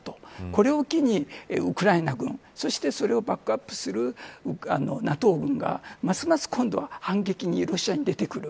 これを機にウクライナ軍そして、それをバックアップするＮＡＴＯ軍がますます今度は反撃に出てくる。